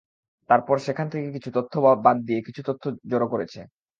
তারপর সেখান থেকে কিছু তথ্য বাদ দিয়ে কিছু তথ্য জড়ো করেছে।